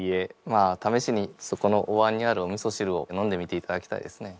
まあためしにそこのおわんにあるおみそしるを飲んでみていただきたいですね。